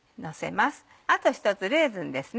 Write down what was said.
あと１つレーズンですね。